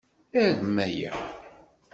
Arem aya.